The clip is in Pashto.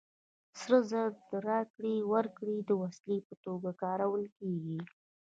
سره زر د راکړې ورکړې د وسیلې په توګه کارول کېږي